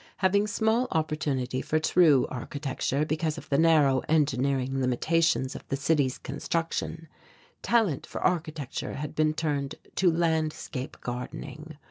Having small opportunity for true architecture because of the narrow engineering limitations of the city's construction, talent for architecture had been turned to landscape gardening.